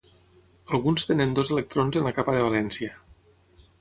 Alguns tenen dos electrons en la capa de valència.